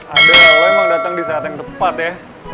aduh lo emang datang di saat yang tepat ya